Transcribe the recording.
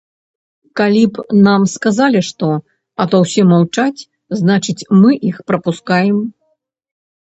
Калі б нам сказалі што, а то ўсе маўчаць, значыць, мы іх прапускаем.